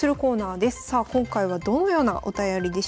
さあ今回はどのようなお便りでしょうか。